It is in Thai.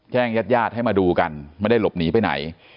ญาติญาติให้มาดูกันไม่ได้หลบหนีไปไหน